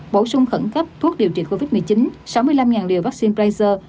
bổ sung khẩn cấp thuốc điều trị covid một mươi chín sáu mươi năm liều vaccine prayzer